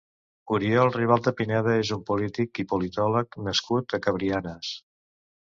Oriol Ribalta Pineda és un polític i politòleg nascut a Cabrianes.